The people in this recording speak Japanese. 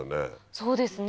そうですね。